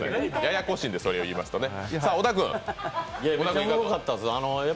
ややこしいんで、それを言いますとおもろかったです。